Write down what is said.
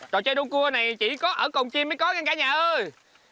trò chơi đông cua này chỉ có ở cồn chim mới có nha cả nhà ơi